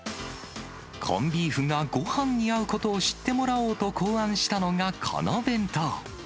コンビーフがごはんに合うことを知ってもらおうと考案したのが、このお弁当。